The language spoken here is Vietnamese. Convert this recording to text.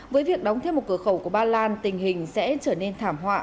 với việc đóng thêm một cửa khẩu của ba lan tình hình sẽ trở nên thảm họa